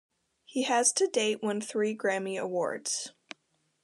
He has to date won three Grammy Awards.